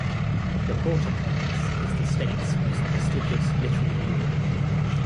The Porter Prize is the state's most prestigious literary award.